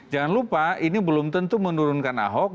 jangan lupa ini belum tentu menurunkan ahok